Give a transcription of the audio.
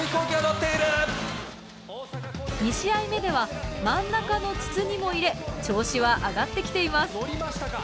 ２試合目では真ん中の筒にも入れ調子は上がってきています。